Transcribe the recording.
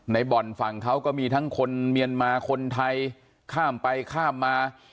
บ่อนฝั่งเขาก็มีทั้งคนเมียนมาคนไทยข้ามไปข้ามมา